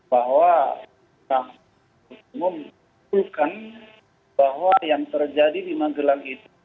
bahwa kita memimpulkan bahwa yang terjadi di magelang itu